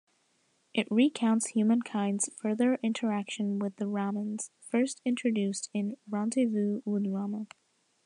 It recounts humankind's further interaction with the Ramans, first introduced in "Rendezvous with Rama".